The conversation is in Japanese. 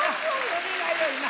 それがよいな。